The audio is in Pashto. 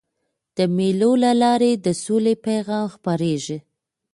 د مېلو له لاري د سولي پیغام خپرېږي.